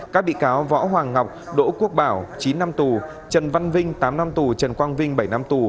các bị cáo võ hoàng ngọc đỗ quốc bảo chín năm tù trần văn vinh tám năm tù trần quang vinh bảy năm tù